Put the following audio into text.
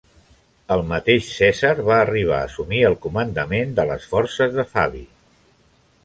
El mateix César va arribar a assumir el comandament de les forces de Fabi.